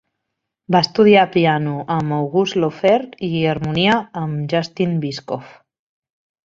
Va estudiar piano amb Auguste Laufer i harmonia amb Justin Bischoff.